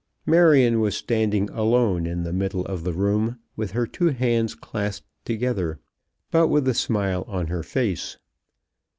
Marion was standing alone in the middle of the room, with her two hands clasped together, but with a smile on her face.